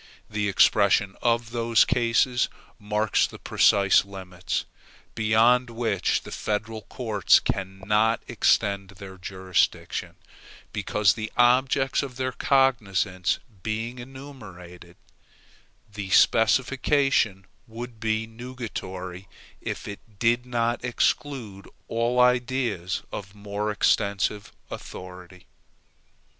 The expression of those cases marks the precise limits, beyond which the federal courts cannot extend their jurisdiction, because the objects of their cognizance being enumerated, the specification would be nugatory if it did not exclude all ideas of more extensive authority.